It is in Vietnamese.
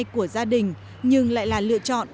của gia đình nhưng lại là lựa chọn